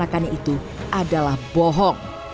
yang membebani itu adalah bohong